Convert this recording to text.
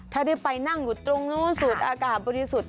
ถ้าได้ไปนั่งอยู่ตรงนู้นสูดอากาศบริสุทธิ์